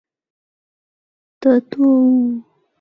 围口冠蛭蚓为蛭蚓科冠蛭蚓属的动物。